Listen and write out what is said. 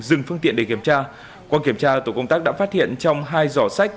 dừng phương tiện để kiểm tra qua kiểm tra tổ công tác đã phát hiện trong hai giỏ sách